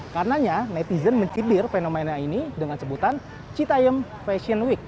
karenanya netizen mencibir fenomena ini dengan sebutan citayem fashion week